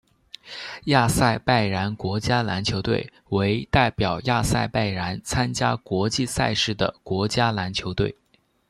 亚塞拜然国家篮球队为代表亚塞拜然参加国际赛事的国家篮球队。